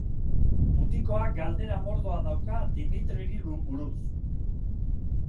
Mutikoak galdera mordoa dauka Dmitriri buruz.